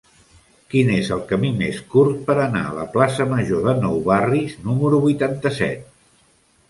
Quin és el camí més curt per anar a la plaça Major de Nou Barris número vuitanta-set?